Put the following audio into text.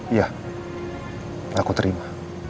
iya aku terima